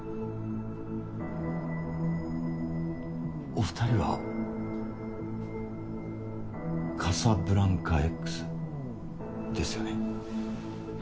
お２人はカサブランカＸですよね。